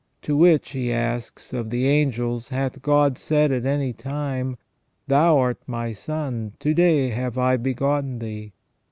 " To which," he asks, " of the angels hath God said, at any time : Thou art my son, to day have I begotten thee.